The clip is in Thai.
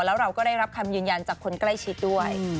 แล้วเราก็ได้รับคำยืนยันจากคนใกล้ชิดด้วย